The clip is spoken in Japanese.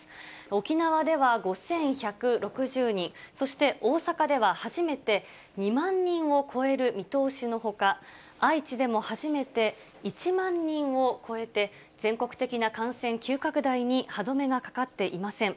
沖縄では５１６０人、そして大阪では初めて２万人を超える見通しのほか、愛知でも初めて１万人を超えて、全国的な感染急拡大に歯止めがかかっていません。